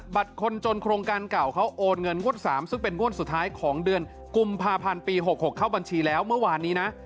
คนจนโครงการเก่าเขาโอนเงินงวด๓ซึ่งเป็นงวดสุดท้ายของเดือนกุมภาพันธ์ปี๖๖เข้าบัญชีแล้วเมื่อวานนี้นะ